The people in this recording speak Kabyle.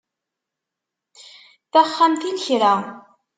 Taxxamt i lekra.